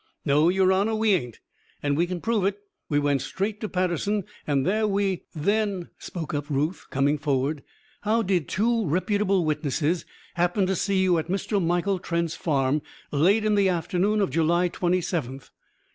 "No, Your Honour, we ain't. And we c'n prove it. We went straight to Paterson; and there we " "Then," spoke up Ruth, coming forward, "how did two reputable witnesses happen to see you at Mr. Michael Trent's farm late on the afternoon of July twenty seventh?"